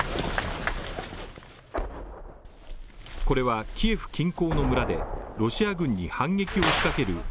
これはキエフ近郊の村でロシア軍に反撃を仕掛ける